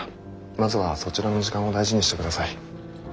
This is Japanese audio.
まずはそちらの時間を大事にしてください。